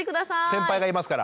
先輩がいますから。